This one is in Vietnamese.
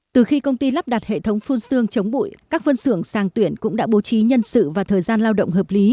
từ khi công ty lắp đặt hệ thống phun xương chống bụi các vân xưởng sàng tuyển cũng đã bố trí nhân sự và thời gian lao động hợp lý